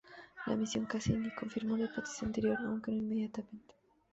La misión "Cassini" confirmó la hipótesis anterior, aunque no inmediatamente.